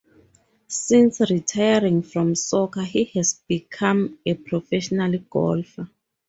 Since retiring from soccer he has become a professional golfer.